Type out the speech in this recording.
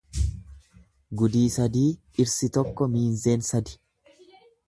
Gudii sadii dhirsi tokko miinzeen sadi.